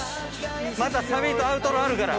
またサビとアウトロあるから。